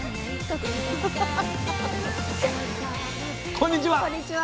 こんにちは。